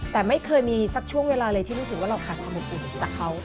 แต่ไม่เคยมีสักช่วงเวลาเลยที่รู้สึกว่าเราขาดความอบอุ่นจากเขา